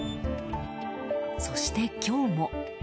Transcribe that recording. そして、今日も。